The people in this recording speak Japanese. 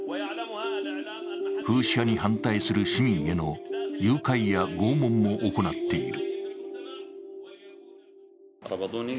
フーシ派に反対する市民への誘拐や拷問も行っている。